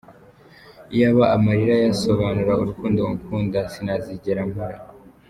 Iyaba amarira yasobanura urukundo ngukunda sinazigera mpora.